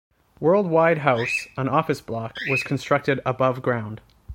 World-Wide House, an office block, was constructed above ground.